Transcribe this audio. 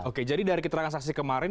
oke jadi dari keterangan saksi kemarin